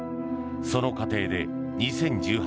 その過程で２０１８年